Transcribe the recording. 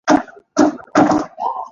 همدا اوس شته.